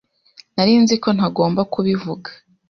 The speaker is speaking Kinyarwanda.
Nari nzi ko ntagomba kubivuga.